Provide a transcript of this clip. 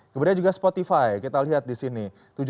kemudian juga spotify kita lihat di sini